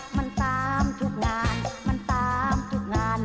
มันตามทุกงานมันตามทุกงาน